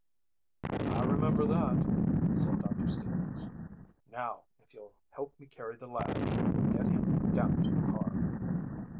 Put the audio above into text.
"I remember that," said Doctor Stevens. "Now, if you'll help me carry the lad, we'll get him down to the car."